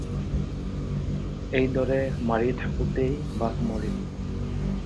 এইদৰে মাৰি থাকোঁতেই বাঘ মৰিল।